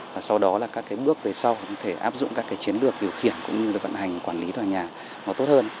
và sau đó là các cái bước về sau cũng thể áp dụng các cái chiến lược điều khiển cũng như vận hành quản lý nhà nó tốt hơn